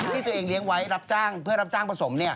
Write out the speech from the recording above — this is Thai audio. ที่ตัวเองเลี้ยงไว้รับจ้างเพื่อรับจ้างผสม